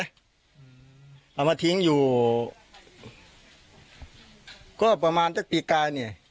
เอามาทิ้งอยู่ก็ประมาณสักปีกายเนี่ย